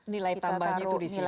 nilai tambahnya itu di situ ya